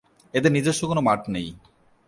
এদের নিজস্ব কোন মাঠ নেই।